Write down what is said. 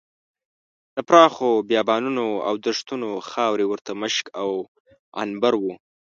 د پراخو بیابانونو او دښتونو خاورې ورته مشک او عنبر وو.